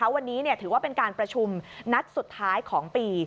วันนี้ถือว่าเป็นการประชุมนัดสุดท้ายของปี